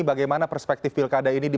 bagaimana perspektif pilkada ini